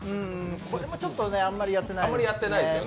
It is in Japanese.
これもちょっとあまりやっていないですね。